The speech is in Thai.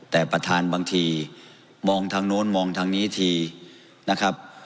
แต่ประธานบางทีมองทางโน้นมองทางนี้ทีนะครับ